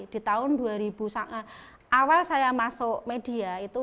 di tahun dua ribu awal saya masuk media